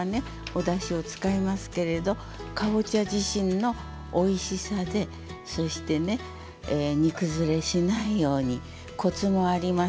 おだしを使いますけれどかぼちゃ自身のおいしさでそしてね煮崩れしないようにコツもありますのでね